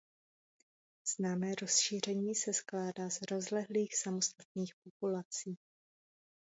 Známé rozšíření se skládá z rozlehlých samostatných populací.